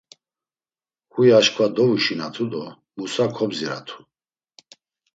Huy aşǩva dovuşinatu do Musa kobziratu.